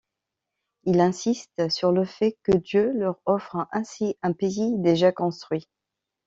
Il insiste sur le fait que Dieu leur offre ainsi un pays déjà construit.